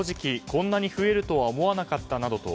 こんなに増えるとは思わなかったなどと